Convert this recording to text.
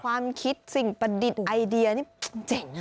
ความคิดสิ่งประดิษฐ์ไอเดียนี่เจ๋ง